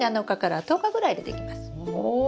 お！